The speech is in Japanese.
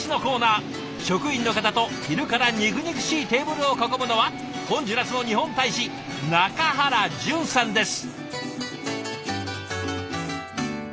職員の方と昼から肉々しいテーブルを囲むのはホンジュラスの日本大使中原淳さんです。